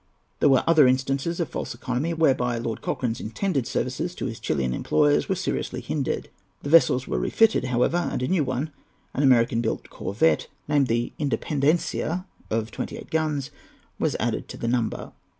There were other instances of false economy, whereby Lord Cochrane's intended services to his Chilian employers were seriously hindered. The vessels were refitted, however, and a new one, an American built corvette, named the Independencia, of twenty eight guns, was added to the number.